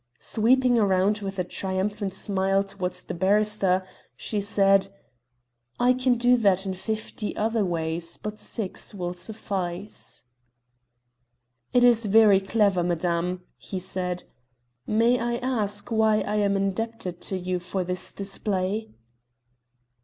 Sweeping round with a triumphant smile towards the barrister, she said, "I can do that in fifty other ways, but six will suffice." "It is very clever, madame," he said. "May I ask why I am indebted to you for this display?"